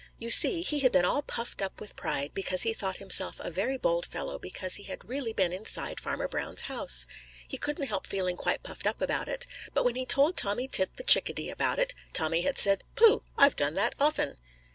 You see, he had been all puffed up with pride because he thought himself a very bold fellow because he had really been inside Farmer Brown's house. He couldn't help feeling quite puffed up about it. But when he told Tommy Tit the Chickadee about it, Tommy had said, "Pooh! I've done that often."